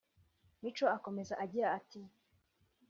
Mico akomeza agira ati